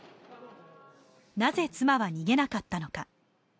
なぜ、妻は逃げなかったのか。